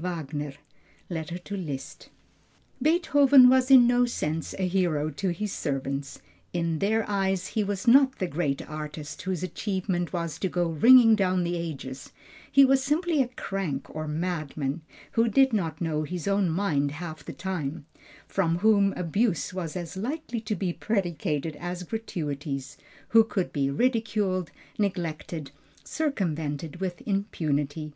WAGNER: Letter to Liszt. Beethoven was in no sense a hero to his servants. In their eyes he was not the great artist, whose achievement was to go ringing down the ages; he was simply a crank or madman, who did not know his own mind half the time, from whom abuse was as likely to be predicated as gratuities, who could be ridiculed, neglected, circumvented with impunity.